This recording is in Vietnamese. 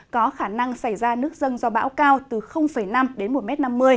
có khả năng xảy ra nước dâng do bão cao từ năm đến một m năm mươi